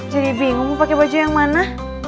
jadi bingung mau pake baju yang mana